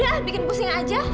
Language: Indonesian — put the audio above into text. iya kang udah bikin pusing aja